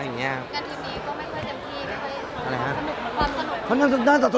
กันทีนี้ก็ไม่ค่อยเต็มที่ไม่ค่อยสนุกความสนุก